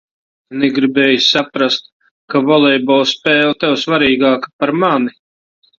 Negribēju saprast, ka volejbola spēle tev svarīgāka par mani.